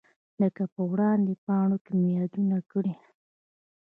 لکه په وړاندې پاڼو کې مې یادونه کړې.